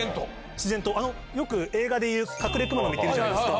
自然とよく映画でカクレクマノミっているじゃないですか。